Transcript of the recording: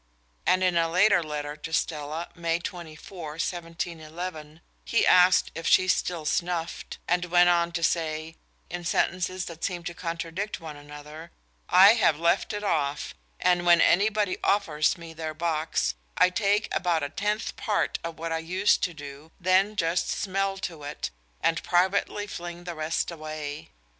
And in a later letter to Stella, May 24, 1711, he asked if she still snuffed, and went on to say, in sentences that seem to contradict one another: "I have left it off, and when anybody offers me their box, I take about a tenth part of what I used to do, then just smell to it, and privately fling the rest away.